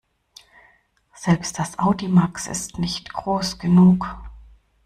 Selbst das Audimax ist nicht groß genug.